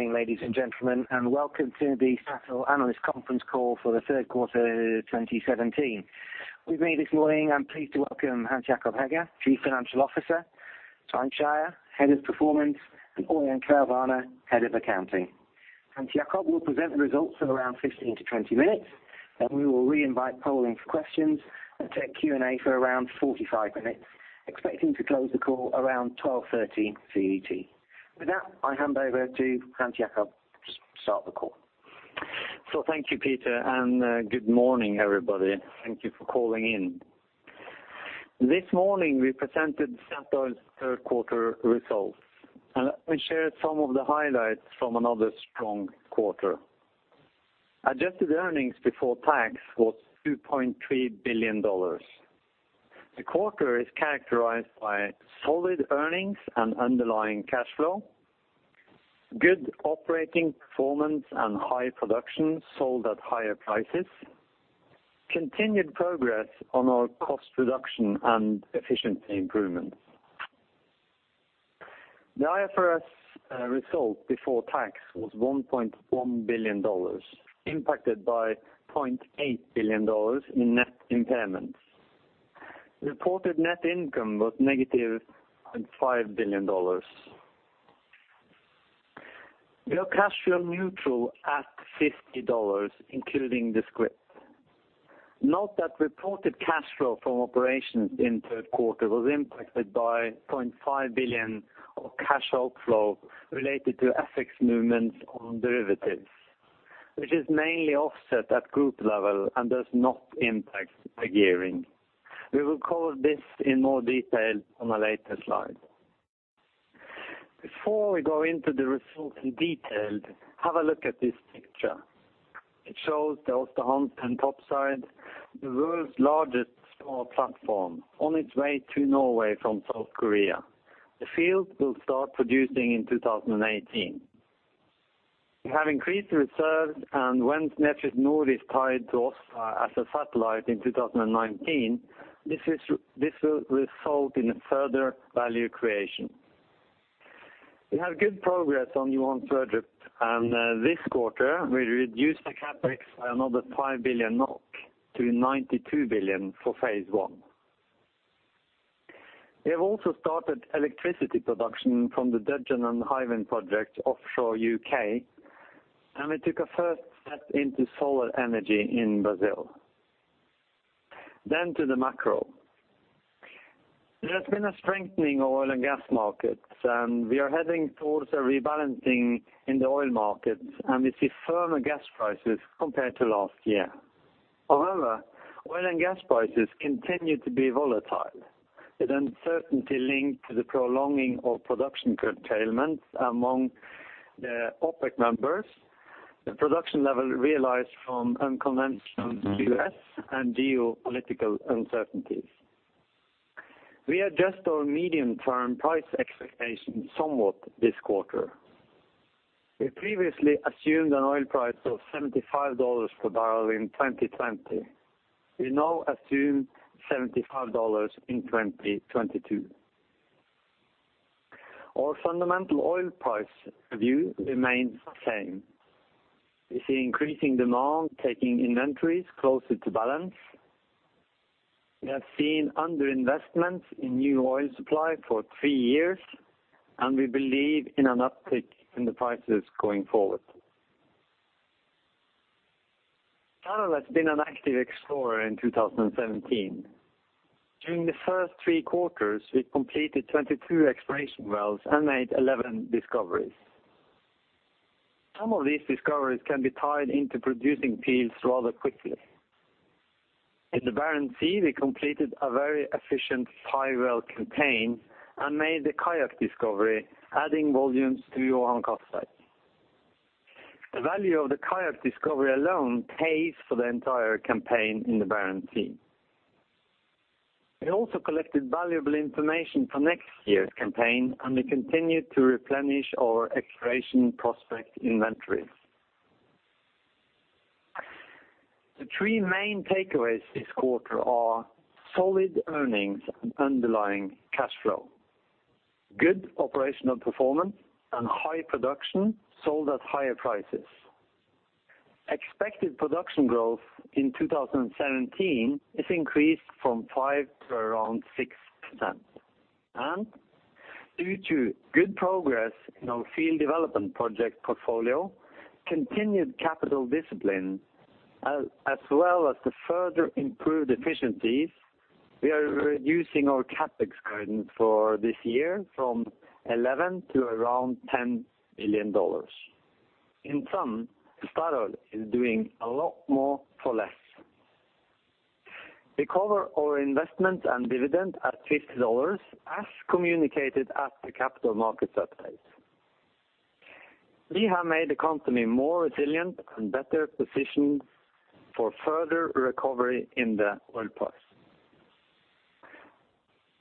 Good morning, ladies and gentlemen, and welcome to the Statoil analyst conference call for the Q3 2017. With me this morning, I'm pleased to welcome Hans Jakob Hegge, Chief Financial Officer, Svein Skeie, Head of Performance, and Ørjan Kvelvane, Head of Accounting. Hans Jakob Hegge will present the results in around 15-20 minutes, then we will reinvite polling for questions and take Q&A for around 45 minutes, expecting to close the call around 12:30 P.M. CET. With that, I hand over to Hans Jakob Hegge to start the call. Thank you, Peter, and good morning, everybody. Thank you for calling in. This morning, we presented Equinor's Q3 results. Let me share some of the highlights from another strong quarter. Adjusted earnings before tax was $2.3 billion. The quarter is characterized by solid earnings and underlying cash flow, good operating performance and high production sold at higher prices, continued progress on our cost reduction and efficiency improvements. The IFRS result before tax was $1.1 billion impacted by $0.8 billion in net impairments. Reported net income was -$5 billion. We are cash flow neutral at $50, including the scrip. Note that reported cash flow from operations in Q3 was impacted by 0.5 billion of cash outflow related to FX movements on derivatives, which is mainly offset at group level and does not impact the gearing. We will cover this in more detail on a later slide. Before we go into the results in detail, have a look at this picture. It shows the Aasta Hansteen topside, the world's largest small platform, on its way to Norway from South Korea. The field will start producing in 2018. We have increased reserves, and when Snøhvit Nord is tied to Aasta as a satellite in 2019, this will result in further value creation. We have good progress on Johan Sverdrup, and this quarter we reduced the CapEx by another 5 billion–92 billion NOK for phase one. We have also started electricity production from the Dudgeon and Hywind projects offshore U.K., and we took a first step into solar energy in Brazil. To the macro. There has been a strengthening of oil and gas markets, and we are heading towards a rebalancing in the oil markets, and we see firmer gas prices compared to last year. However, oil and gas prices continue to be volatile, with uncertainty linked to the prolonging of production curtailment among the OPEC members, the production level realized from unconventional U.S., and geopolitical uncertainties. We adjust our medium-term price expectations somewhat this quarter. We previously assumed an oil price of $75 per barrel in 2020. We now assume $75 in 2022. Our fundamental oil price review remains the same. We see increasing demand taking inventories closer to balance. We have seen underinvestment in new oil supply for 3 years, and we believe in an uptick in the prices going forward. Equinor has been an active explorer in 2017. During the first 3 quarters, we completed 22 exploration wells and made 11 discoveries. Some of these discoveries can be tied into producing fields rather quickly. In the Barents Sea, we completed a very efficient 5-well campaign and made the Kayak discovery, adding volumes to Johan Castberg. The value of the Kayak discovery alone pays for the entire campaign in the Barents Sea. We also collected valuable information for next year's campaign, and we continued to replenish our exploration prospect inventories. The 3 main takeaways this quarter are solid earnings and underlying cash flow, good operational performance and high production sold at higher prices. Expected production growth in 2017 is increased from 5% to around 6%. Due to good progress in our field development project portfolio, continued capital discipline, as well as the further improved efficiencies, we are reducing our CapEx guidance for this year from $11 billion to around $10 billion. In sum, Statoil is doing a lot more for less. We cover our investment and dividend at $50 as communicated at the Capital Markets Update. We have made the company more resilient and better positioned for further recovery in the oil price.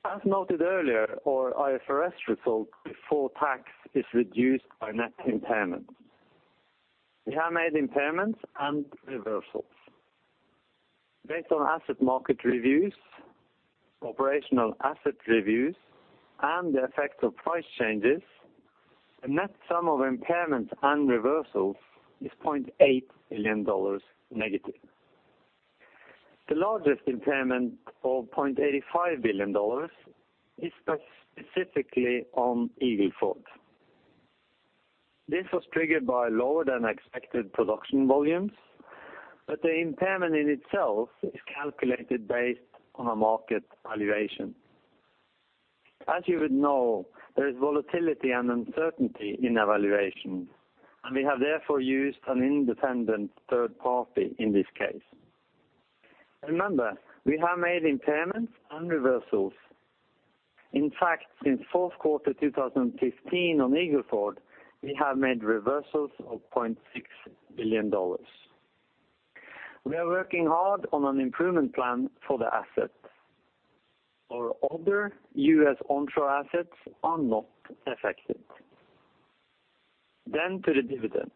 As noted earlier, our IFRS result before tax is reduced by net impairment. We have made impairments and reversals. Based on asset market reviews, operational asset reviews, and the effect of price changes, the net sum of impairment and reversals is $0.8 billion negative. The largest impairment of $0.85 billion is specifically on Eagle Ford. This was triggered by lower than expected production volumes, but the impairment in itself is calculated based on a market valuation. As you would know, there is volatility and uncertainty in valuation, and we have therefore used an independent third party in this case. Remember, we have made impairments and reversals. In fact, since Q4 2015 on Eagle Ford, we have made reversals of $0.6 billion. We are working hard on an improvement plan for the asset. Our other U.S. onshore assets are not affected. To the dividend.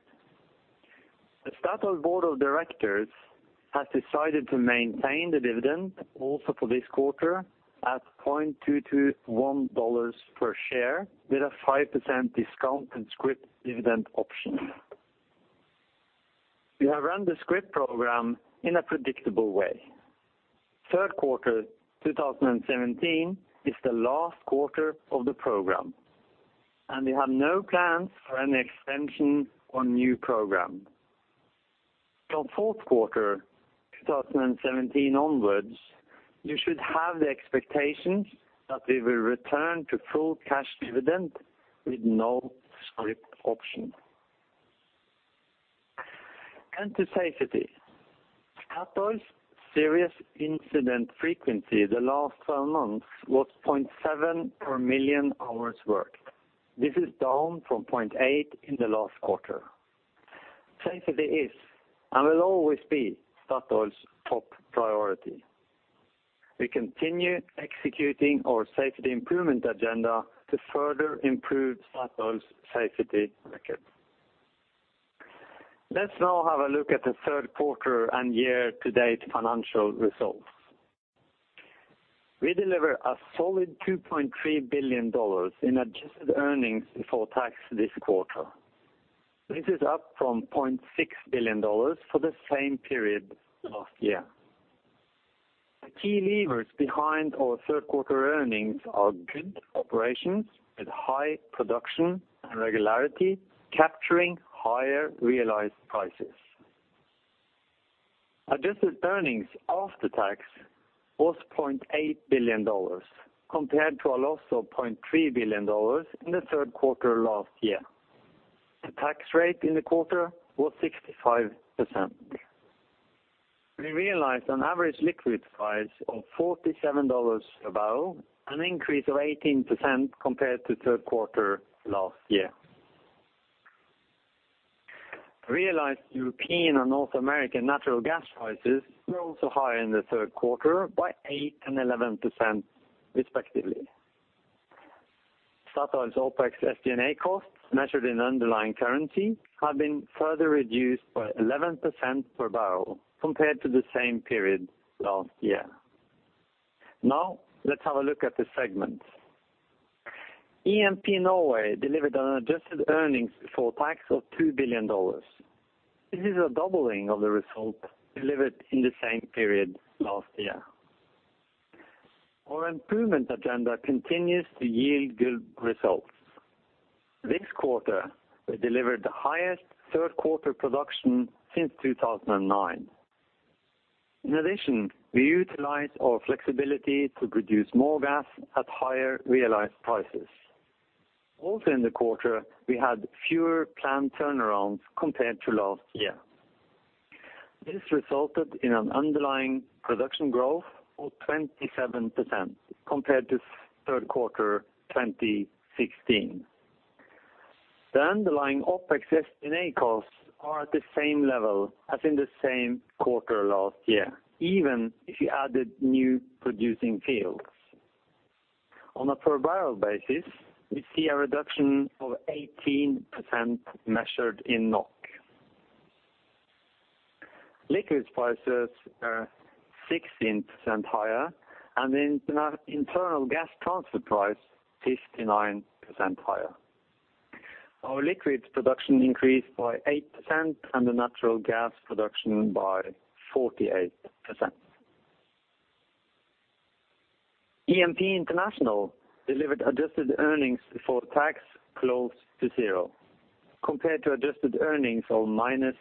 The Equinor board of directors has decided to maintain the dividend also for this quarter at $0.221 per share with a 5% discount and scrip dividend option. We have run the scrip program in a predictable way. Q3 2017 is the last quarter of the program, and we have no plans for any extension or new program. From Q4 2017 onwards, you should have the expectations that we will return to full cash dividend with no scrip option. To safety. Equinor's serious incident frequency the last 12 months was 0.7 per million hours worked. This is down from 0.8 in the last quarter. Safety is, and will always be Equinor's top priority. We continue executing our safety improvement agenda to further improve Equinor's safety record. Let's now have a look at the Q3 and year-to-date financial results. We deliver a solid $2.3 billion in adjusted earnings before tax this quarter. This is up from $0.6 billion for the same period last year. The key levers behind our Q3 earnings are good operations with high production and regularity, capturing higher realized prices. Adjusted earnings after tax was $0.8 billion compared to a loss of $0.3 billion in the Q3 last year. The tax rate in the quarter was 65%. We realized an average liquids price of $47 a barrel, an increase of 18% compared to Q3 last year. Realized European and North American natural gas prices were also higher in the Q3 by 8% and 11% respectively. Equinor's OpEx and SG&A costs measured in underlying currency have been further reduced by 11% per barrel compared to the same period last year. Now let's have a look at the segments. E&P Norway delivered an adjusted earnings before tax of $2 billion. This is a doubling of the result delivered in the same period last year. Our improvement agenda continues to yield good results. This quarter, we delivered the highest Q3 production since 2009. In addition, we utilized our flexibility to produce more gas at higher realized prices. Also in the quarter, we had fewer planned turnarounds compared to last year. This resulted in an underlying production growth of 27% compared to Q3 2016. The underlying OpEx SDNA costs are at the same level as in the same quarter last year, even if you added new producing fields. On a per barrel basis, we see a reduction of 18% measured in NOK. Liquids prices are 16% higher, and the internal gas transfer price, 59% higher. Our liquids production increased by 8% and the natural gas production by 48%. E&P International delivered adjusted earnings before tax close to zero, compared to adjusted earnings of -$0.6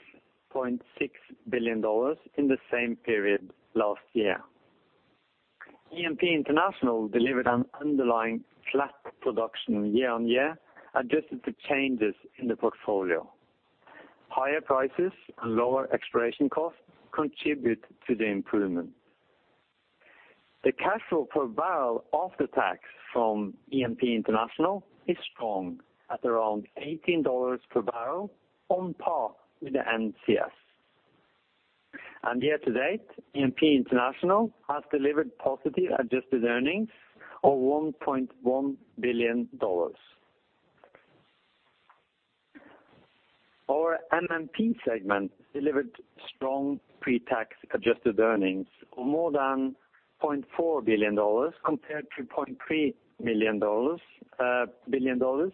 billion in the same period last year. E&P International delivered an underlying flat production year-on-year, adjusted to changes in the portfolio. Higher prices and lower exploration costs contribute to the improvement. The cash flow per barrel after tax from E&P International is strong at around $18 per barrel on par with the NCS. Year to date, E&P International has delivered positive adjusted earnings of $1.1 billion. Our MMP segment delivered strong pre-tax adjusted earnings of more than $0.4 billion compared to $0.3 billion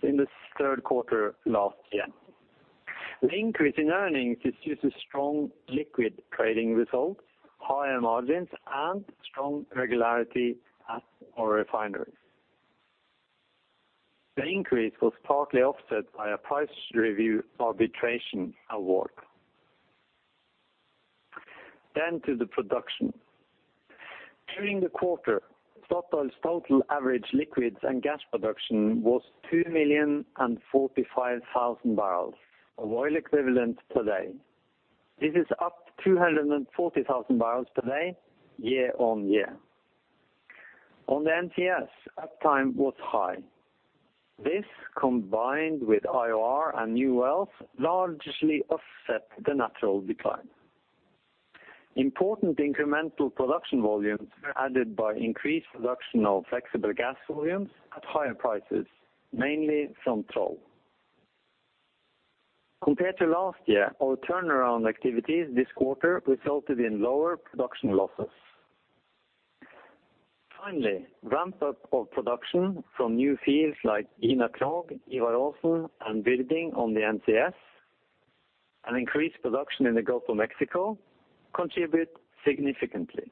in the Q3 last year. The increase in earnings is due to strong liquid trading results, higher margins, and strong regularity at our refineries. The increase was partly offset by a price review arbitration award. To the production. During the quarter, Equinor's total average liquids and gas production was 2,045,000 barrels of oil equivalent per day. This is up 240,000 barrels per day year-on-year. On the NCS, uptime was high. This combined with IOR and new wells largely offset the natural decline. Important incremental production volumes were added by increased production of flexible gas volumes at higher prices, mainly from Troll. Compared to last year, our turnaround activities this quarter resulted in lower production losses. Finally, ramp-up of production from new fields like Gina Krog, Ivar Aasen, and Byrding on the NCS, and increased production in the Gulf of Mexico contribute significantly.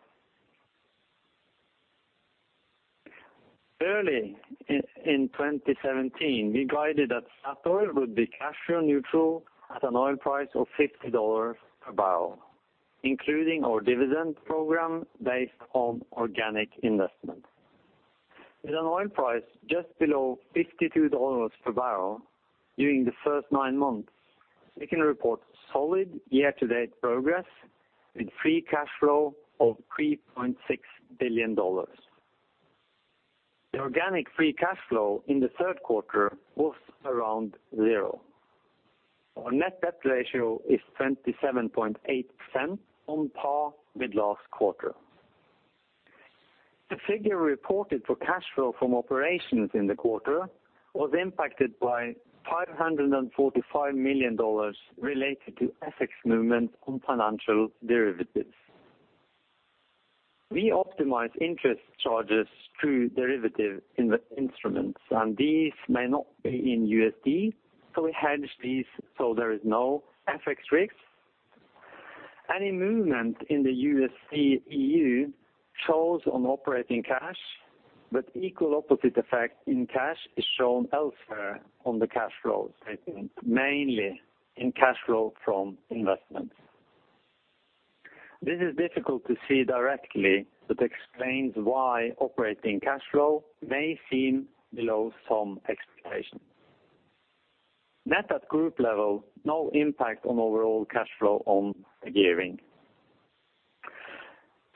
Early in 2017, we guided that Equinor would be cash flow neutral at an oil price of $50 per barrel, including our dividend program based on organic investment. With an oil price just below $52 per barrel during the first nine months, we can report solid year-to-date progress with free cash flow of $3.6 billion. The organic free cash flow in the Q3 was around 0. Our net debt ratio is 27.8%, on par with last quarter. The figure reported for cash flow from operations in the quarter was impacted by $545 million related to FX movement on financial derivatives. We optimize interest charges through derivative instruments, and these may not be in USD, so we hedge these so there is no FX risk. Any movement in the USD/EUR shows on operating cash, but equal opposite effect in cash is shown elsewhere on the cash flow statement, mainly in cash flow from investments. This is difficult to see directly, but explains why operating cash flow may seem below some expectations. Net at group level, no impact on overall cash flow on a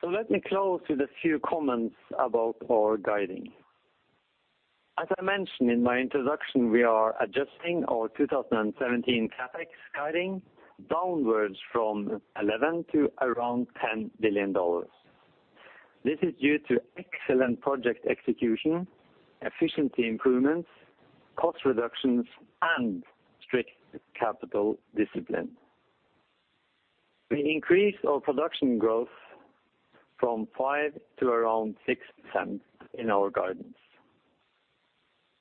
year-on-year. Let me close with a few comments about our guidance. As I mentioned in my introduction, we are adjusting our 2017 CapEx guidance downwards from $11 billion to around $10 billion. This is due to excellent project execution, efficiency improvements, cost reductions, and strict capital discipline. We increased our production growth from 5% to around 6% in our guidance.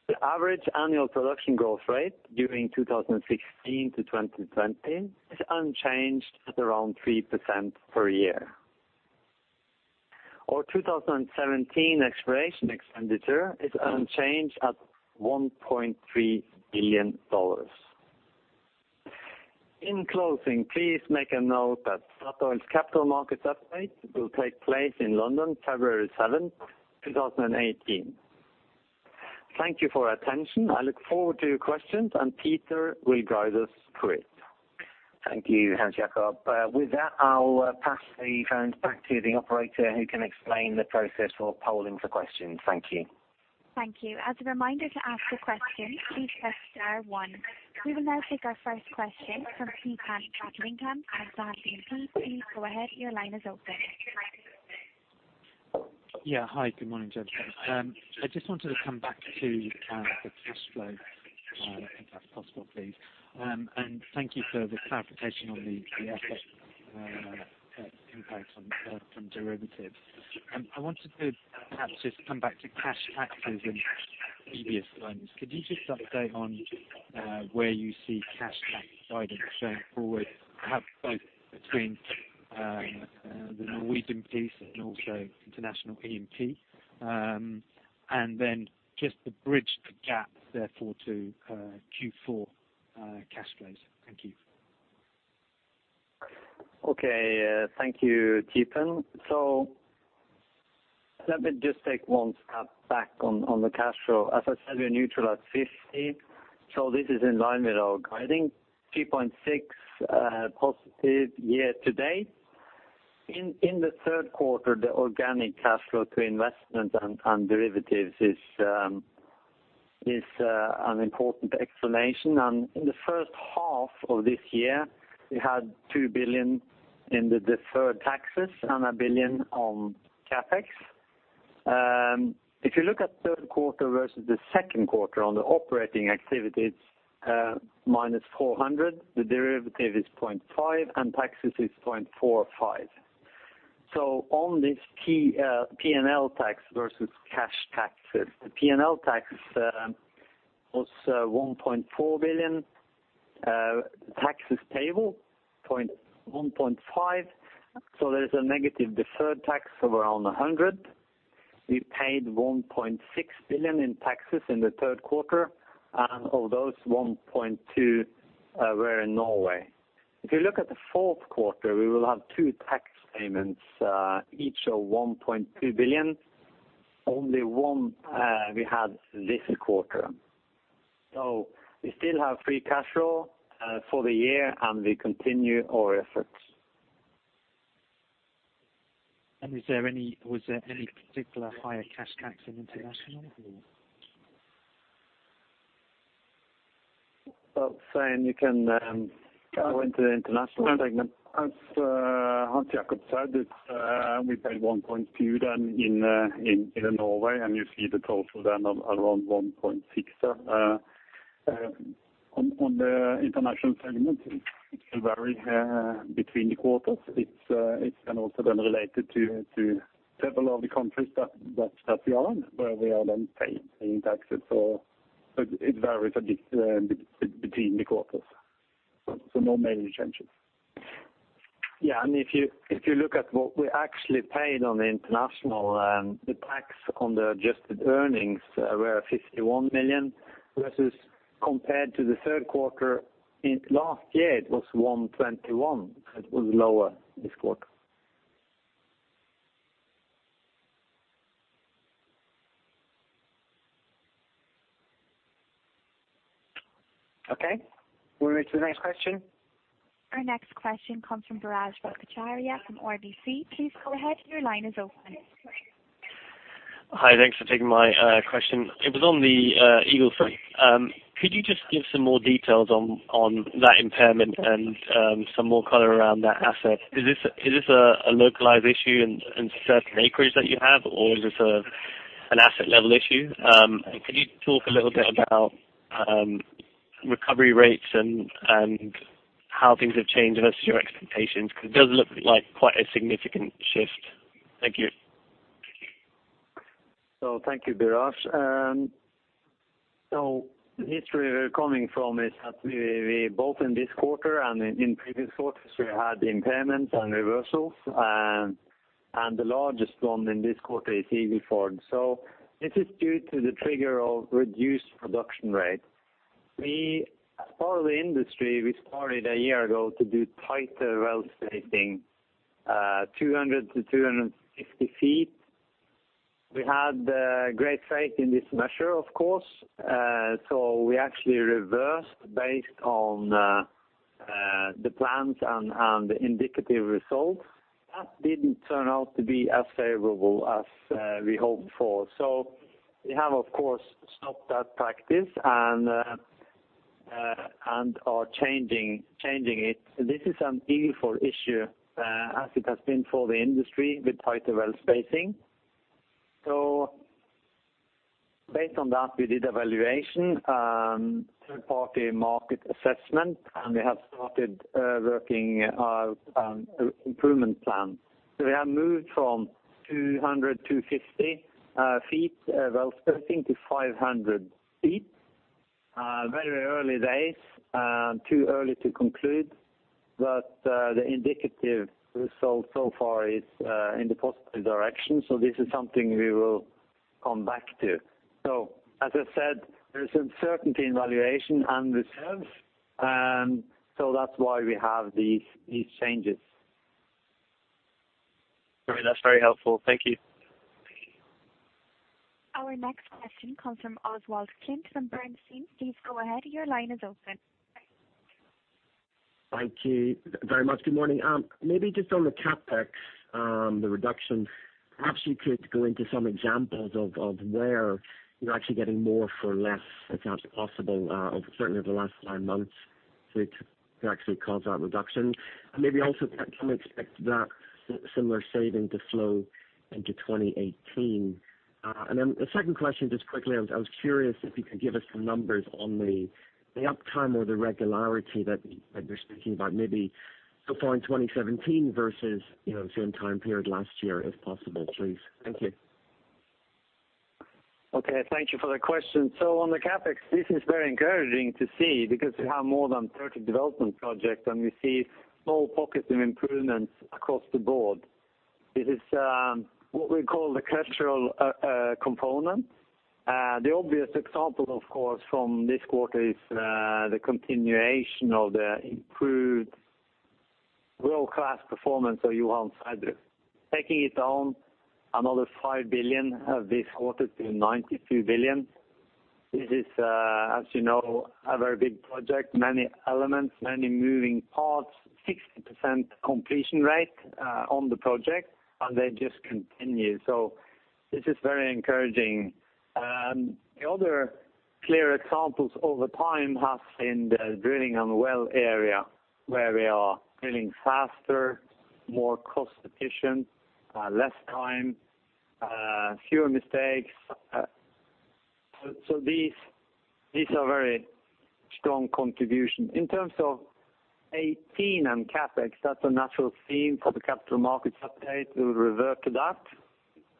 The average annual production growth rate during 2016-2020 is unchanged at around 3% per year. Our 2017 exploration expenditure is unchanged at $1.3 billion. In closing, please make a note that Statoil's Capital Markets Update will take place in London, February seventh, two thousand and eighteen. Thank you for your attention. I look forward to your questions, and Peter will guide us through it. Thank you, Hans Jakob Hegge. With that, I'll pass the phones back to the operator who can explain the process for polling for questions. Thank you. Thank you. As a reminder to ask a question, please press star one. We will now take our first question from Theepan Jothilingam at BNP Paribas Exane. Please go ahead. Your line is open. Yeah. Hi, good morning, gentlemen. I just wanted to come back to the cash flow, if that's possible, please. Thank you for the clarification on the FX impact from derivatives. I wanted to perhaps just come back to cash taxes in previous times. Could you just update on where you see cash tax guidance going forward, perhaps both between the Norwegian piece and also international E&P? Just to bridge the gap therefore to Q4 cash flows. Thank you. Thank you, Theepan. Let me just take one step back on the cash flow. As I said, we're neutral at $50, so this is in line with our guidance, $3.6 positive year to date. In the Q3, the organic cash flow to investment and derivatives is an important explanation. In the first half of this year, we had $2 billion in the deferred taxes and $1 billion on CapEx. If you look at Q3 versus the Q2 on the operating activities, -$400, the derivative is $0.5, and taxes is $0.45. On this key P&L tax versus cash taxes, the P&L tax was $1.4 billion, taxes payable $1.5. There's a negative deferred tax of around $100. We paid 1.6 billion in taxes in the Q3, and of those 1.2 billion were in Norway. If you look at the Q4, we will have 2 tax payments, each of 1.2 billion. Only one we had this quarter. We still have free cash flow for the year, and we continue our efforts. Was there any particular higher cash tax in international or? Well, saying you can go into the international segment. As Hans Jakob said, it's we paid 1.2 then in Norway, and you see the total then of around 1.6. On the international segment, it can vary between the quarters. It's then also related to several of the countries that we are, where we are then paying taxes so it varies between the quarters. No major changes. Yeah. If you look at what we actually paid on the international, the tax on the adjusted earnings were 51 million versus compared to the Q3 in last year, it was 121 million. It was lower this quarter. Okay. We'll move to the next question. Our next question comes from Biraj Borkhataria from RBC. Please go ahead. Your line is open. Hi. Thanks for taking my question. It was on the Eagle Ford. Could you just give some more details on that impairment and some more color around that asset? Is this a localized issue in certain acreage that you have, or is this an asset level issue? Can you talk a little bit about recovery rates and how things have changed versus your expectations, because it does look like quite a significant shift. Thank you. Thank you, Biraj. The history we're coming from is that we both in this quarter and in previous quarters we had impairments and reversals. The largest one in this quarter is Eagle Ford. This is due to the trigger of reduced production rate. We, as part of the industry, started a year ago to do tighter well spacing, 200-250 feet. We had great faith in this measure, of course. We actually reversed based on the plans and the indicative results. That didn't turn out to be as favorable as we hoped for. We have, of course, stopped that practice and are changing it. This is an Eagle Ford issue, as it has been for the industry with tighter well spacing. Based on that, we did evaluation, third-party market assessment, and we have started working improvement plan. We have moved from 250 feet well spacing to 500 feet, very early days, too early to conclude. The indicative result so far is in the positive direction. This is something we will come back to. As I said, there's uncertainty in valuation and reserves, so that's why we have these changes. Great. That's very helpful. Thank you. Our next question comes from Oswald Clint from Bernstein. Please go ahead. Your line is open. Thank you very much. Good morning. Maybe just on the CapEx, the reduction, perhaps you could go into some examples of where you're actually getting more for less, if that's possible, certainly over the last nine months to actually cause that reduction. Maybe also can we expect that similar saving to flow into 2018? The second question, just quickly, I was curious if you could give us some numbers on the uptime or the regularity that you're speaking about maybe so far in 2017 versus same time period last year if possible, please. Thank you. Okay. Thank you for the question. On the CapEx, this is very encouraging to see because we have more than 30 development projects, and we see small pockets of improvements across the board. It is what we call the cultural component. The obvious example, of course, from this quarter is the continuation of the improved world-class performance of Johan Sverdrup, taking it down another 5 billion this quarter to 92 billion. This is, as you know, a very big project, many elements, many moving parts, 60% completion rate on the project, and they just continue. This is very encouraging. The other clear examples over time have been in the drilling and well area where we are drilling faster, more cost efficient, less time, fewer mistakes. These are very strong contribution. In terms of 2018 and CapEx, that's a natural theme for the Capital Markets Update, we'll revert to that.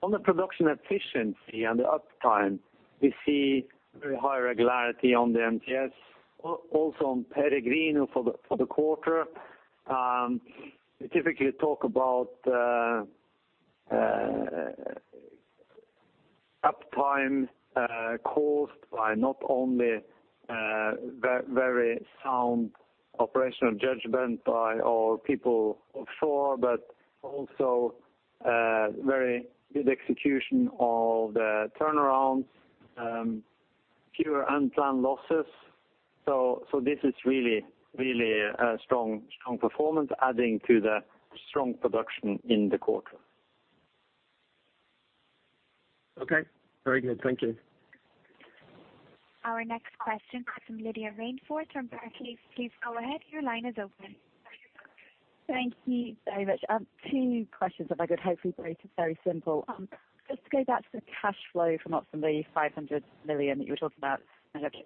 On the production efficiency and the uptime, we see very high regularity on the MTS, also on Peregrino for the quarter. We typically talk about uptime caused by not only very sound operational judgment by our people offshore, but also very good execution of the turnarounds, fewer unplanned losses. This is really a strong performance adding to the strong production in the quarter. Okay. Very good. Thank you. Our next question comes from Lydia Rainforth from Barclays. Please go ahead, your line is open. Thank you very much. Two questions if I could, hopefully both very simple. Just to go back to the cash flow from ops and the $500 million that you were talking about.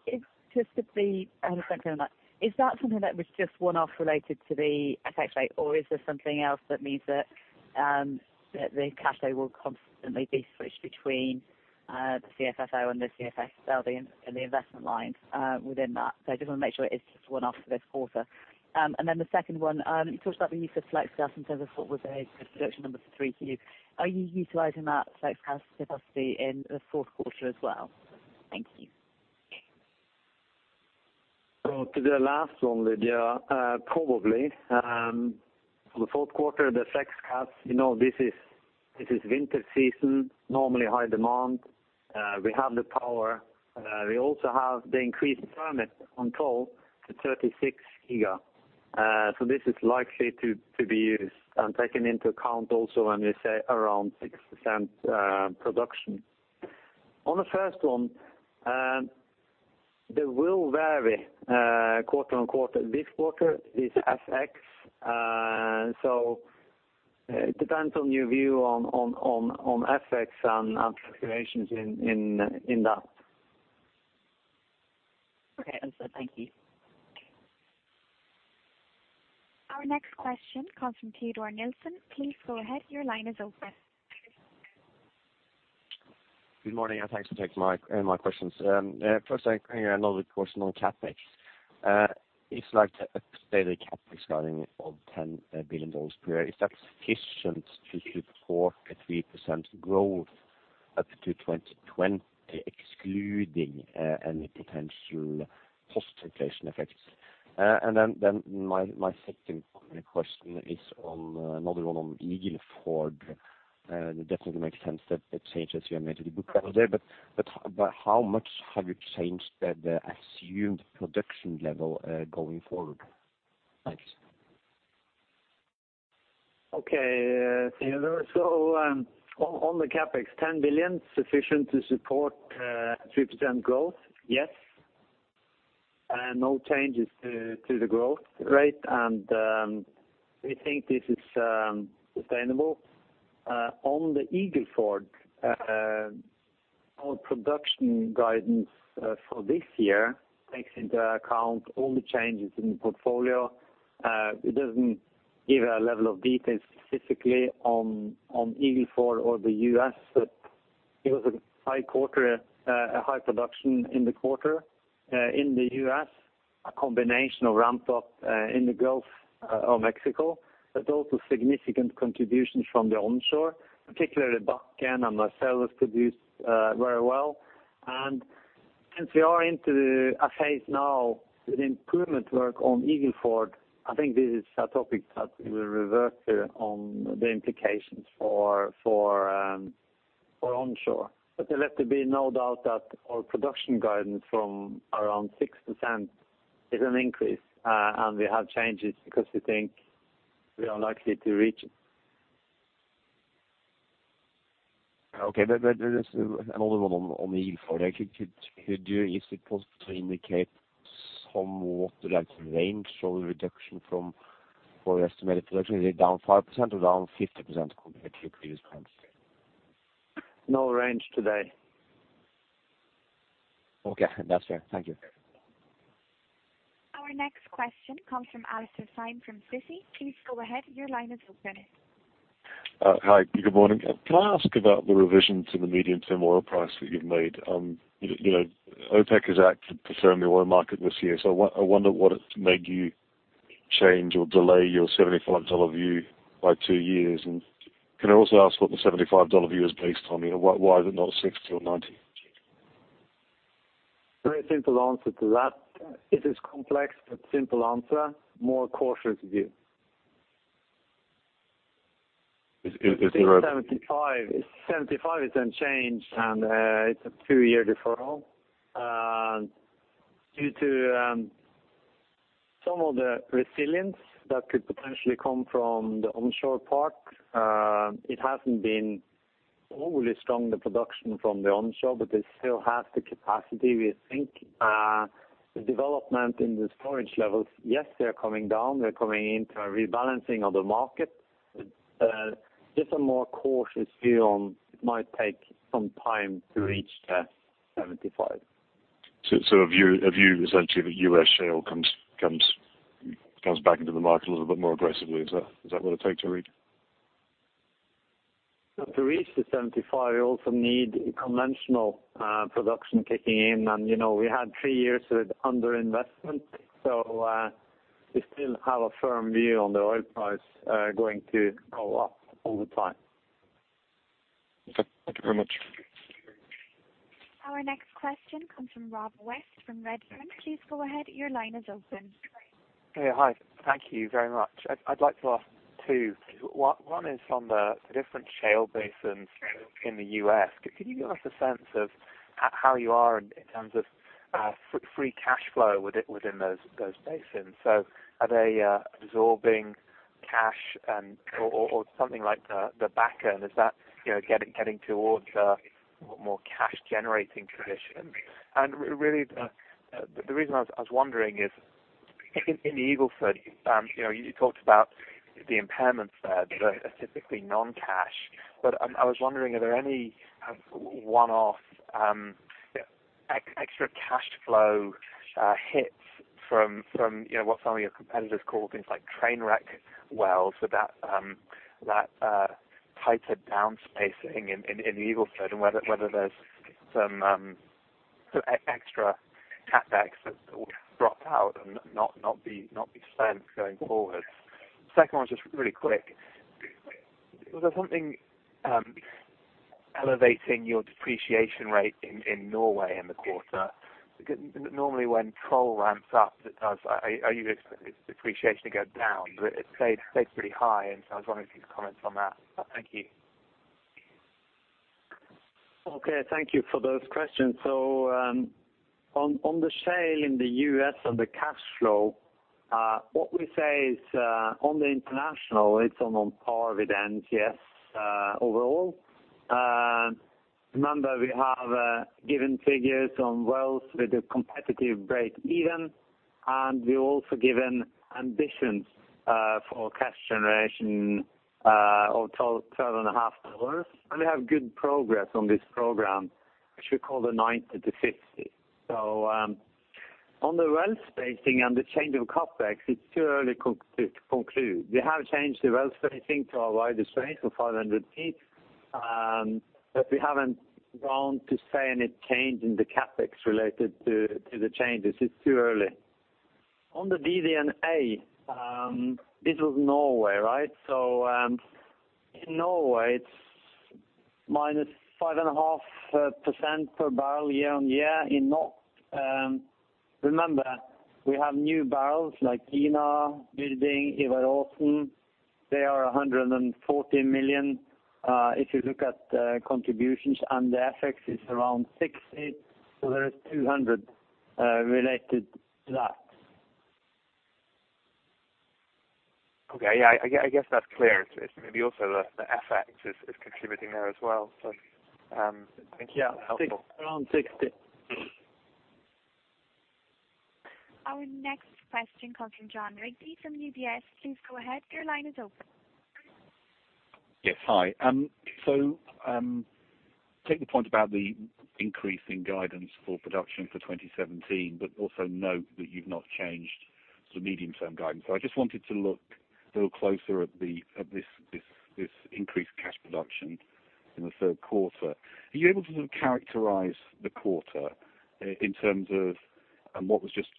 Is, just to be 100% clear on that, is that something that was just one-off related to the FX rate, or is there something else that means that that the cash flow will constantly be switched between the CFFO and the investment lines within that? I just want to make sure it's just one-off for this quarter. And then the second one, you talked about the use of flex gas in terms of what was a good production number for 3Q. Are you utilizing that flex gas capacity in the Q4 as well? Thank you. To the last one, Lydia, probably for the Q4, the flex gas, this is winter season, normally high demand. We have the power. We also have the increased permit on Troll to 36 giga. So this is likely to be used, and taken into account also when we say around 6% production. On the first one, they will vary quarter-on-quarter. This quarter is FX, so it depends on your view on FX and fluctuations in that. Okay, that's it. Thank you. Our next question comes from Teodor Sveen-Nilsen. Please go ahead, your line is open. Good morning, and thanks for taking my questions. First I have another question on CapEx. It's like a stated CapEx guidance of $10 billion per year. Is that sufficient to support a 3% growth up to 2020, excluding any potential post-inflation effects? Then my second primary question is another one on Eagle Ford. It definitely makes sense that the changes you have made to the book value there, but by how much have you changed the assumed production level going forward? Thanks. Okay, Teodor Sveen-Nilsen. On the CapEx, $10 billion sufficient to support 3% growth? Yes. No changes to the growth rate. We think this is sustainable. On the Eagle Ford, our production guidance for this year takes into account all the changes in the portfolio. It doesn't give a level of detail specifically on Eagle Ford or the US, but it was a high quarter, a high production in the quarter in the U.S., a combination of ramp up in the Gulf of Mexico, but also significant contributions from the onshore, particularly Bakken and Marcellus produced very well. Since we are into a phase now with improvement work on Eagle Ford, I think this is a topic that we will revert to on the implications for onshore. Let there be no doubt that our production guidance from around 6% is an increase, and we have changes because we think we are likely to reach it. Okay. Just another one on the Eagle Ford. Could you, is it possible to indicate somewhat like the range or the reduction from what we estimated production? Is it down 5% or down 50% compared to your previous plans? No range today. Okay, that's fair. Thank you. Our next question comes from Alastair Syme from Citi. Please go ahead, your line is open. Hi. Good morning. Can I ask about the revision to the medium-term oil price that you've made? You know, OPEC has acted to firm the oil market this year, so I wonder what made you change or delay your $75 view by 2 years. Can I also ask what the $75 view is based on? You know, why is it not 60 or 90? Very simple answer to that. It is complex, but simple answer, more cautious view. Is there a- The 75 is unchanged, and it's a two-year deferral due to some of the resilience that could potentially come from the onshore part, it hasn't been overly strong, the production from the onshore, but they still have the capacity. We think the development in the storage levels, yes, they are coming down. They're coming into a rebalancing of the market. Just a more cautious view on it might take some time to reach the 75. A view essentially that U.S. shale comes back into the market a little bit more aggressively. Is that what it takes to reach? To reach the 75, we also need conventional production kicking in. You know, we had three years of under-investment. We still have a firm view on the oil price going to go up over time. Okay, thank you very much. Our next question comes from Rob West from Redburn. Please go ahead. Your line is open. Yeah, hi. Thank you very much. I'd like to ask two. One is on the different shale basins in the U.S. Could you give us a sense of how you are in terms of free cash flow within those basins? So are they absorbing cash, or something like the back end? Is that, you know, getting towards a more cash generating position? Really, the reason I was wondering is in the Eagle Ford, you know, you talked about the impairments there that are typically non-cash. I was wondering, are there any one-off extra cash flow hits from, you know, what some of your competitors call things like train wreck wells with that tighter down spacing in Eagle Ford? Whether there's some extra CapEx that's sort of dropped out and not be spent going forward. Second one's just really quick. Was there something elevating your depreciation rate in Norway in the quarter? Normally, when Troll ramps up, it does. Are you expecting depreciation to go down? But it stayed pretty high, and so I was wondering if you could comment on that. Thank you. Okay, thank you for those questions. On the shale in the U.S. and the cash flow, what we say is, on the international, it's on par with NCS, overall. Remember we have given figures on wells with a competitive breakeven, and we've also given ambitions for cash generation of $12.5. We have good progress on this program, which we call the 90 to 50. On the well spacing and the change of CapEx, it's too early to conclude. We have changed the well spacing to a wider space of 500 feet, but we haven't gone to say any change in the CapEx related to the changes. It's too early. On the DD&A, this was Norway, right? In Norway, it's -5.5% per barrel year-over-year in NOK. Remember we have new barrels like Gina Krog, Wisting, Ivar Aasen. They are 140 million. If you look at contributions and the FX, it's around 60 million. There is 200 million related to that. Okay. Yeah, I guess that's clear. It's maybe also the FX is contributing there as well. Thank you. Helpful. Yeah. Around 60. Our next question comes from Jon Rigby from UBS. Please go ahead. Your line is open. Yes, hi. Take the point about the increase in guidance for production for 2017, but also note that you've not changed the medium-term guidance. I just wanted to look a little closer at this increased gas production in the Q3 Are you able to characterize the quarter in terms of what was just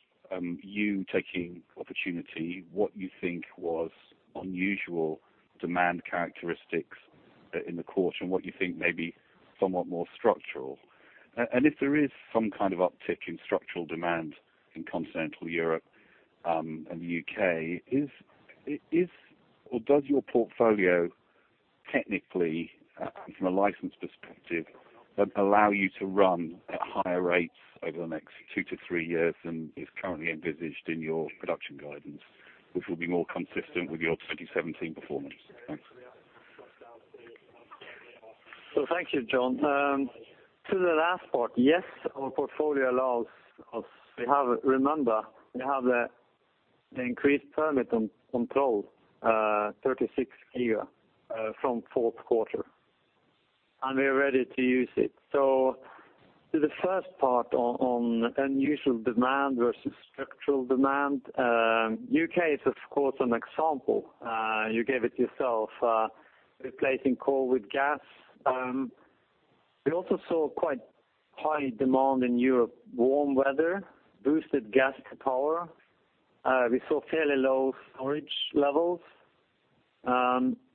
you taking opportunity, what you think was unusual demand characteristics in the quarter, and what you think may be somewhat more structural? If there is some kind of uptick in structural demand in continental Europe, and the U.K., is or does your portfolio technically, from a license perspective, allow you to run at higher rates over the next 2-3 years than is currently envisaged in your production guidance, which will be more consistent with your 2017 performance? Thanks. Thank you, John. To the last part, yes, our portfolio allows us. Remember, we have the increased permit on Troll 36 here from Q4, and we are ready to use it. To the first part on unusual demand versus structural demand, U.K. is of course an example. You gave it yourself, replacing coal with gas. We also saw quite high demand in Europe, warm weather boosted gas to power. We saw fairly low storage levels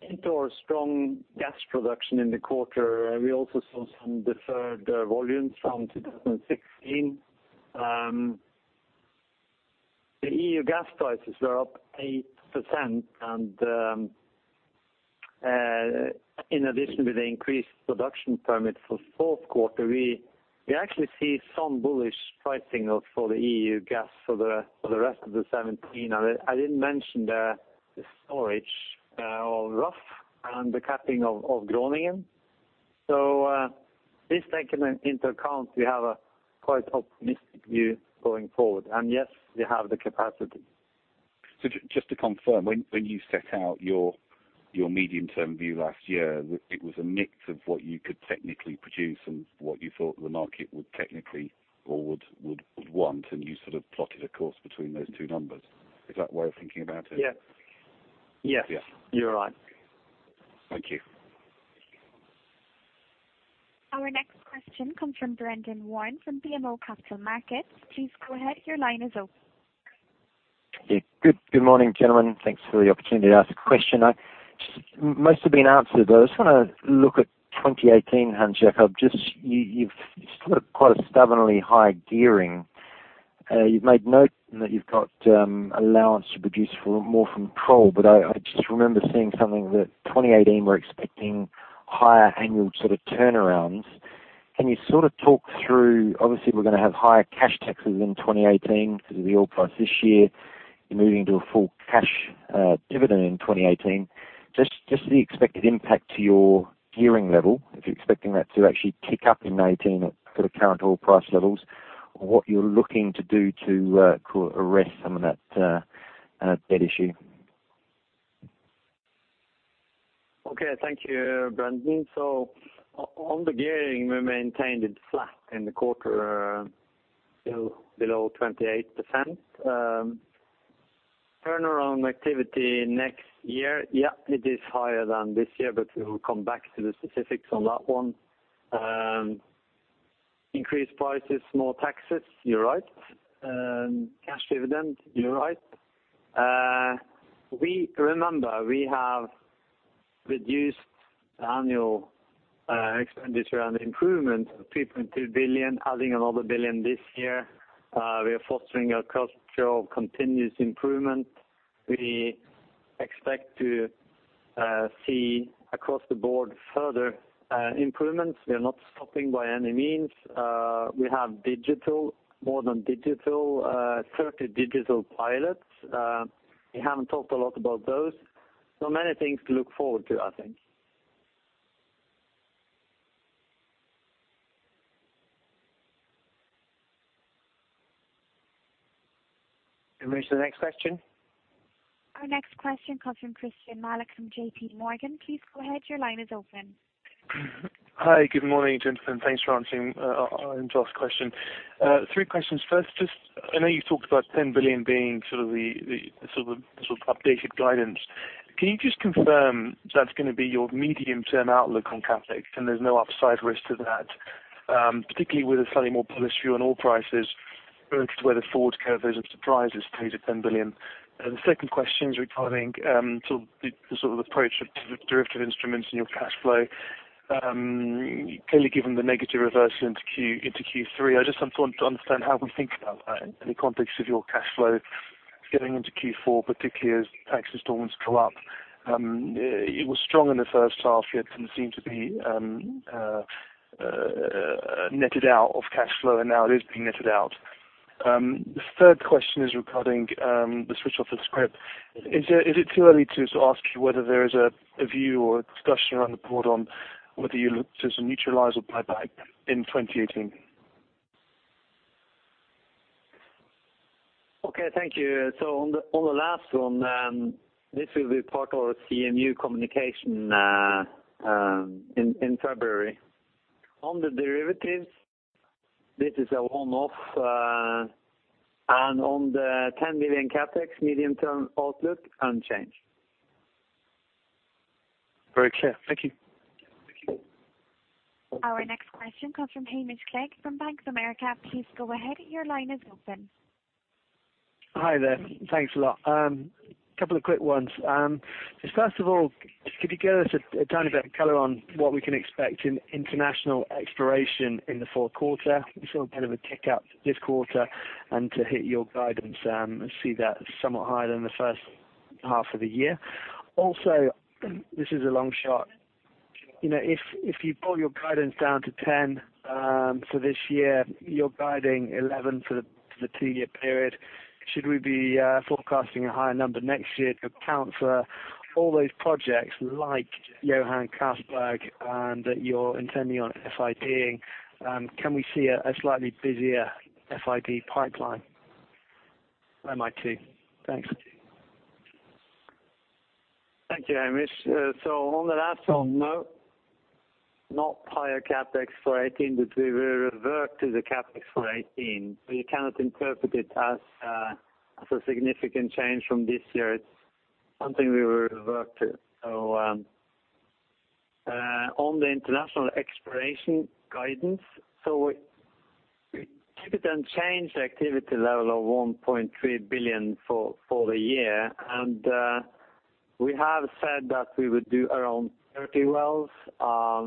and/or strong gas production in the quarter. We also saw some deferred volumes from 2016. The EU gas prices were up 8%, and in addition to the increased production permit for Q4, we actually see some bullish pricing for the EU gas for the rest of 2017. I didn't mention the storage and the capping of Groningen. This, taken into account, we have a quite optimistic view going forward. Yes, we have the capacity. Just to confirm, when you set out your medium term view last year, it was a mix of what you could technically produce and what you thought the market would technically or would want, and you sort of plotted a course between those two numbers. Is that a way of thinking about it? Yes. Yes. Yeah. You're right. Thank you. Our next question comes from Brendan Warn from BMO Capital Markets. Please go ahead. Your line is open. Yeah. Good morning, gentlemen. Thanks for the opportunity to ask a question. Most have been answered, but I just wanna look at 2018, Hans Jakob Hegge. Just you've still got quite a stubbornly high gearing. You've made note that you've got allowance to produce for more from Troll, but I just remember seeing something that 2018 we're expecting higher annual sort of turnarounds. Can you sort of talk through, obviously we're gonna have higher cash taxes in 2018 because of the oil price this year. You're moving to a full cash dividend in 2018. Just the expected impact to your gearing level, if you're expecting that to actually tick up in 2019 at sort of current oil price levels, or what you're looking to do to sort of arrest some of that issue. Okay, thank you, Brendan. On the gearing, we maintained it flat in the quarter, still below 28%. Turnaround activity next year, yeah, it is higher than this year, but we will come back to the specifics on that one. Increased prices, more taxes, you're right. Cash dividend, you're right. Remember, we have reduced annual expenditure and improvement of 3.2 billion, adding another 1 billion this year. We are fostering a culture of continuous improvement. We expect to see across the board further improvements. We are not stopping by any means. We have more than 30 digital pilots. We haven't talked a lot about those. Many things to look forward to, I think. Can we move to the next question? Our next question comes from Christyan Malek from J.P. Morgan. Please go ahead. Your line is open. Hi, good morning, gentlemen. Thanks for answering our call and to ask questions. Three questions. First, I know you talked about $10 billion being sort of the updated guidance. Can you just confirm that's gonna be your medium term outlook on CapEx, and there's no upside risk to that, particularly with a slightly more bullish view on oil prices versus where the forward curve is, those are surprises to the $10 billion? The second question is regarding sort of the approach of derivative instruments in your cash flow. Clearly given the negative reversal into Q3, I just want to understand how we think about that in the context of your cash flow going into Q4, particularly as tax installments go up. It was strong in the first half, yet didn't seem to be netted out of cash flow and now it is being netted out. The third question is regarding the switch off the scrip. Is it too early to ask you whether there is a view or a discussion around the board on whether you look to some neutralize or buyback in 2018? Okay, thank you. On the last one, this will be part of our CMU communication in February. On the derivatives, this is a one-off, and on the 10 million CapEx medium term outlook, unchanged. Very clear. Thank you. Our next question comes from Hamish Clegg from Bank of America. Please go ahead. Your line is open. Hi there. Thanks a lot. A couple of quick ones. Just first of all, just could you give us a tiny bit of color on what we can expect in international exploration in the Q4? We saw a bit of a kick up this quarter and to hit your guidance, and see that somewhat higher than the first half of the year. Also, this is a long shot. You know, if you pull your guidance down to 10 for this year, you're guiding 11 for the two-year period, should we be forecasting a higher number next year to account for all those projects like Johan Castberg and that you're intending on FIDing? Can we see a slightly busier FID pipeline? MIT, thanks. Thank you, Hamish. On the last one, no, not higher CapEx for 2018, but we will revert to the CapEx for 2018. We cannot interpret it as a significant change from this year. It's something we will revert to. On the international exploration guidance, we keep it unchanged activity level of $1.3 billion for the year. We have said that we would do around 30 wells.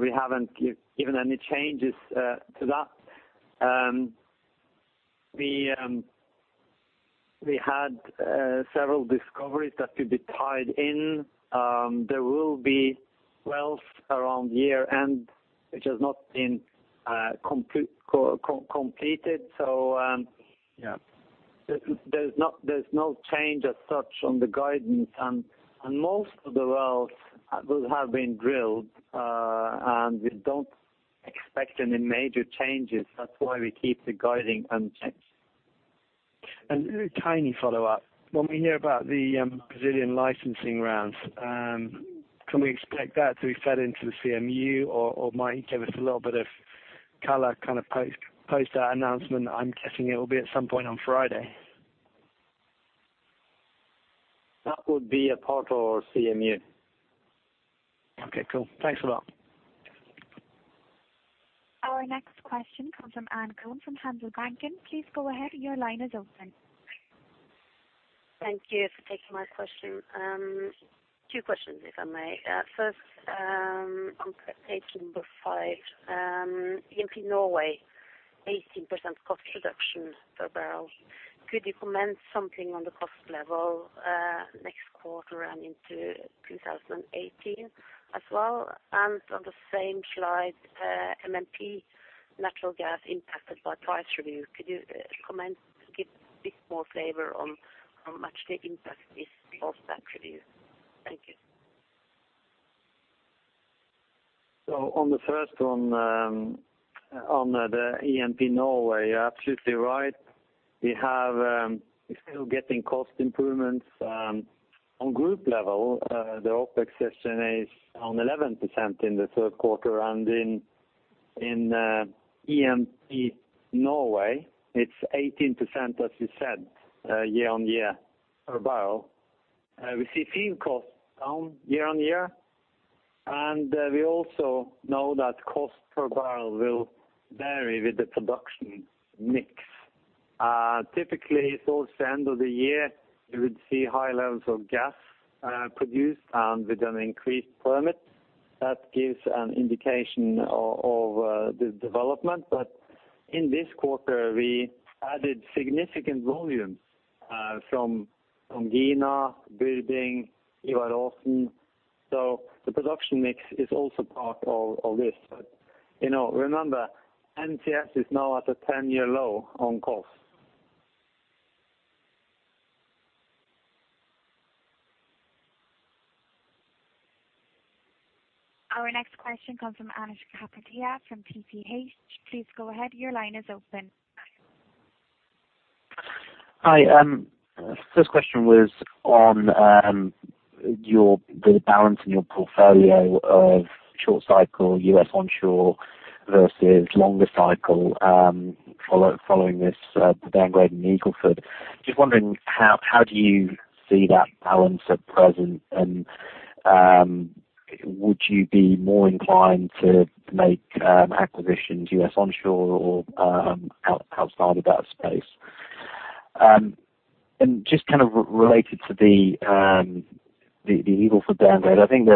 We haven't given any changes to that. We had several discoveries that could be tied in. There will be wells around year-end, which has not been completed. Yeah, there's no change as such on the guidance and most of the wells will have been drilled and we don't expect any major changes. That's why we keep the guidance unchanged. A tiny follow-up. When we hear about the Brazilian licensing rounds, can we expect that to be fed into the CMU? Or might you give us a little bit of color, kind of post that announcement? I'm guessing it will be at some point on Friday. That would be a part of CMU. Okay, cool. Thanks a lot. Our next question comes from Anne Gjøen from Handelsbanken. Please go ahead. Your line is open. Thank you for taking my question. 2 questions, if I may. First, on page 5, E&P Norway, 18% cost reduction per barrel. Could you comment something on the cost level, next quarter and into 2018 as well? On the same slide, MMP natural gas impacted by price review. Could you comment, give a bit more flavor on how much the impact is of that review? Thank you. On the first one, on the E&P Norway, you're absolutely right. We're still getting cost improvements. On group level, the OpEx reduction is 11% in the Q3, and in E&P Norway, it's 18%, as you said, year-on-year per barrel. We see field costs down year-on-year, and we also know that cost per barrel will vary with the production mix. Typically towards the end of the year, you would see high levels of gas produced, and with an increased premix. That gives an indication of the development. In this quarter, we added significant volumes from Gina, Byrding, Ivar Aasen. The production mix is also part of this. You know, remember, NCS is now at a 10-year low on cost. Our next question comes from Anish Kapadia from Tudor, Pickering, Holt & Co. Please go ahead. Your line is open. Hi. First question was on the balance in your portfolio of short cycle U.S. onshore versus longer cycle, following this, the downgrade in Eagle Ford. Just wondering how do you see that balance at present? Would you be more inclined to make acquisitions U.S. onshore or outside of that space? And just kind of related to the Eagle Ford downgrade, I think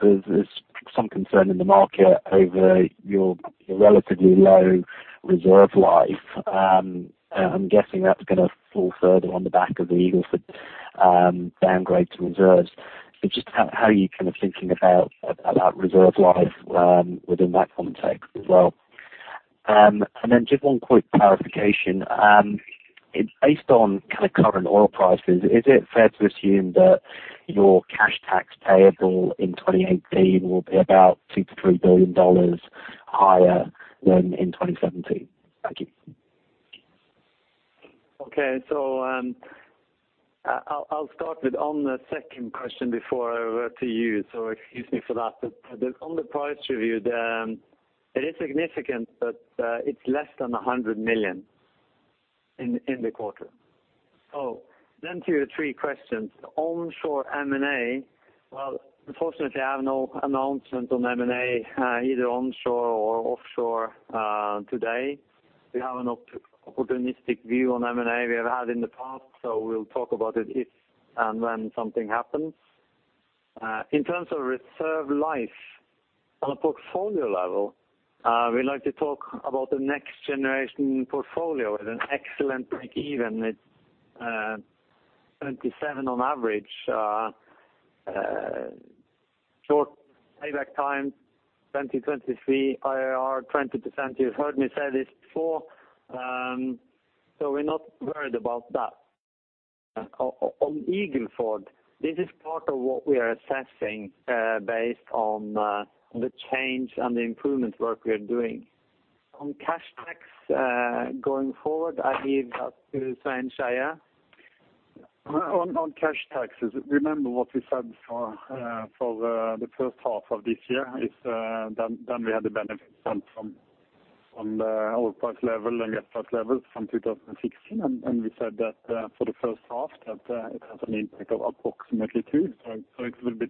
there's some concern in the market over your relatively low reserve life. And I'm guessing that's gonna fall further on the back of the Eagle Ford downgrade to reserves. Just how are you kind of thinking about reserve life within that context as well? And then just one quick clarification. Based on kind of current oil prices, is it fair to assume that your cash tax payable in 2018 will be about $2 billion–$3 billion higher than in 2017? Thank you. Okay. I'll start with on the second question before I refer to you, so excuse me for that. On the price review, it is significant, but it's less than 100 million in the quarter. To your three questions. Onshore M&A, well, unfortunately I have no announcement on M&A, either onshore or offshore, today. We have an opportunistic view on M&A we have had in the past, so we'll talk about it if and when something happens. In terms of reserve life on a portfolio level, we like to talk about the next generation portfolio with an excellent breakeven with $27 on average. Short payback time, 2-3 year IRR, 20%. You've heard me say this before, so we're not worried about that. On Eagle Ford, this is part of what we are assessing, based on the change and the improvement work we are doing. On cash tax, going forward, I leave that to Svein Skeie. On cash taxes, remember what we said for the first half of this year is then we had the benefit then from the oil price level and gas price levels from 2016. We said that for the first half that it has an impact of approximately 2. It will be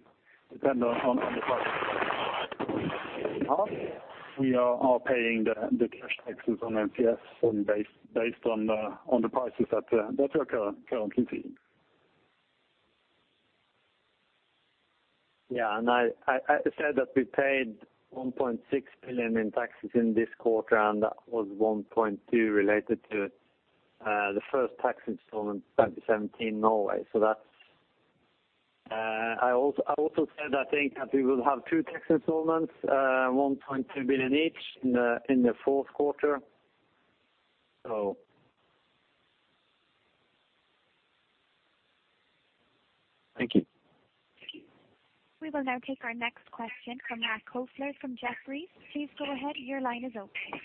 dependent on the price of oil in the second half. We are paying the cash taxes on NCS based on the prices that we're currently seeing. I said that we paid 1.6 billion in taxes in this quarter, and that was 1.2 billion related to the first tax installment in 2017 Norway. I also said I think that we will have two tax installments, 1.2 billion each in the Q4. Thank you. Thank you. We will now take our next question from Marc Kofler from Jefferies. Please go ahead. Your line is open.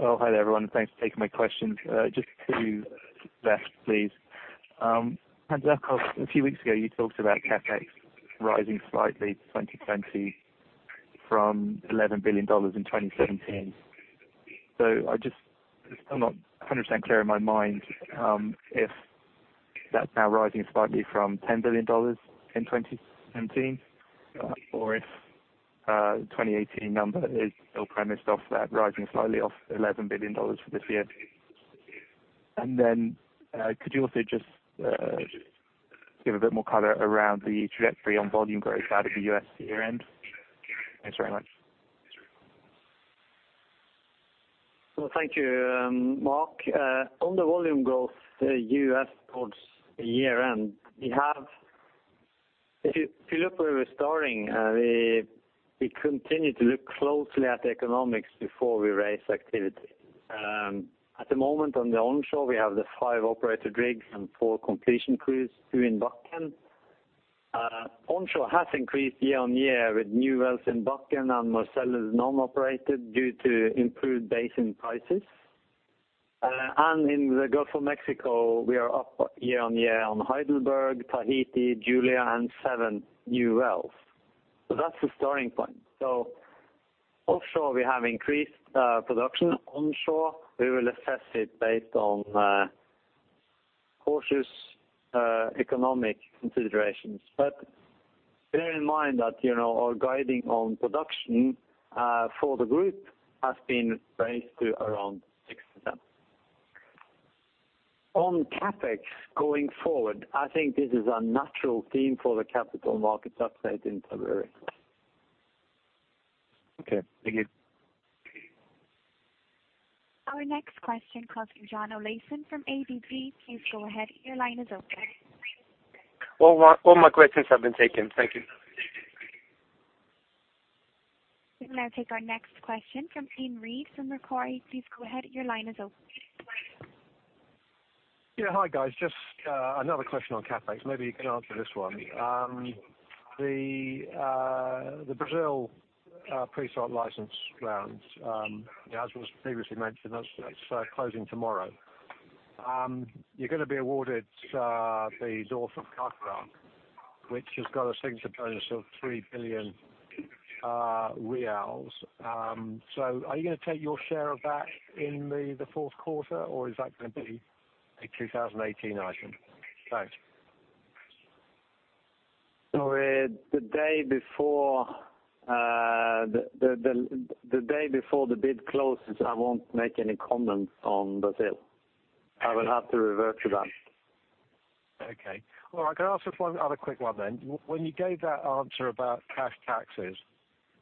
Oh, hi there everyone. Thanks for taking my question. Just to Les please. Hans Jacob Hegge, a few weeks ago you talked about CapEx rising slightly 2020 from $11 billion in 2017. I'm not 100% clear in my mind if that's now rising slightly from $10 billion in 2017 or if 2018 number is still premised off that rising slowly off $11 billion for this year. Could you also give a bit more color around the trajectory on volume growth out of the U.S. year-end? Thanks very much. Well, thank you, Marc. On the volume growth, the U.S. towards year end. If you look where we're starting, we continue to look closely at the economics before we raise activity. At the moment on the onshore, we have the 5 operator rigs and 4 completion crews, 2 in Bakken. Onshore has increased year-over-year with new wells in Bakken and Marcellus non-operated due to improved basin prices. In the Gulf of Mexico, we are up year-over-year on Heidelberg, Tahiti, Julia and 7 new wells. That's the starting point. Offshore we have increased production. Onshore, we will assess it based on cautious economic considerations. Bear in mind that, you know, our guidance on production for the group has been raised to around 6%. On CapEx going forward, I think this is a natural theme for the Capital Markets Update in February. Okay, thank you. Our next question comes from John Olaisen from ABG Sundal Collier. Please go ahead. Your line is open. All my questions have been taken. Thank you. We'll now take our next question from Iain Reid from Macquarie. Please go ahead. Your line is open. Yeah, hi guys. Just another question on CapEx. Maybe you can answer this one. The Brazil pre-salt license rounds, as was previously mentioned, that's closing tomorrow. You're gonna be awarded the doorstep counterpart, which has got a signature bonus of 3 billion reais. Are you gonna take your share of that in the Q4, or is that gonna be a 2018 item? Thanks. The day before the bid closes, I won't make any comments on Brazil. I will have to revert to that. Okay. Well, I can ask just one other quick one then. When you gave that answer about cash taxes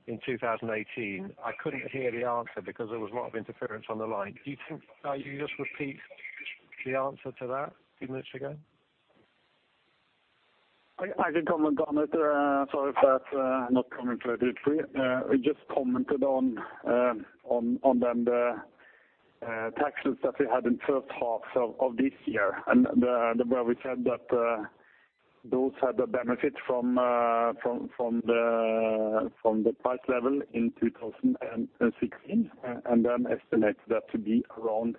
in 2018, I couldn't hear the answer because there was a lot of interference on the line. Do you think you can just repeat the answer to that a few minutes ago? I did comment on it. Sorry if that's not coming through to you. I just commented on the taxes that we had in first half of this year and where we said that those had the benefit from the price level in 2016 and then estimated that to be around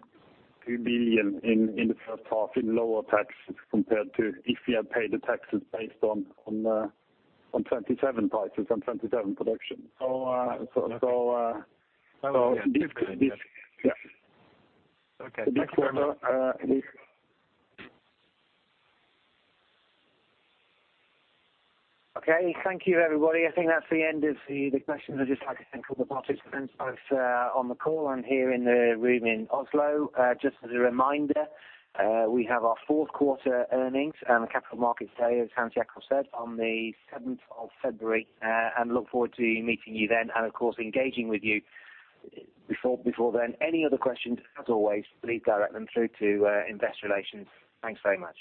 2 billion in the first half in lower taxes compared to if we had paid the taxes based on 2017 prices, on 2017 production. This- Okay. The next quarter is. Okay, thank you everybody. I think that's the end of the questions. I'd just like to thank all the participants both on the call and here in the room in Oslo. Just as a reminder, we have our Q4 earnings and capital markets day, as Hans Jakob Hegge said, on the seventh of February. Look forward to meeting you then and, of course, engaging with you before then. Any other questions, as always, please direct them through to investor relations. Thanks very much.